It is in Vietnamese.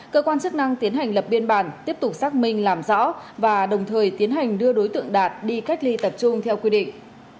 cơ quan chức năng tiến hành lập biên bản tiếp tục xác minh làm rõ và đồng thời tiến hành đưa đối tượng đạt đi cách ly tập trung theo quy định